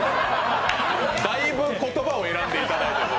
だいぶ言葉を選んでいただいて。